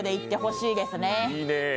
いいね。